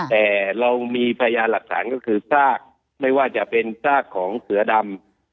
แต่เรามีพยานหลักฐานก็คือซากไม่ว่าจะเป็นซากของเสือดำ